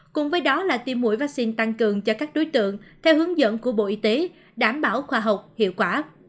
cùng với đó là tiêm mũi vaccine tăng cường cho các đối tượng theo hướng dẫn của bộ y tế đảm bảo khoa học hiệu quả